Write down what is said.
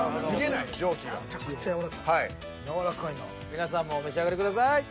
皆さんもお召し上がりください。